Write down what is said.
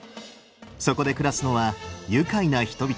そこで暮らすのは愉快な人々だった。